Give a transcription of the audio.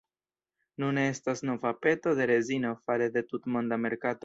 Nune estas nova peto de rezino fare de tutmonda merkato.